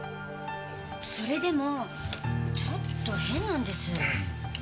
それでもちょっと変なんです。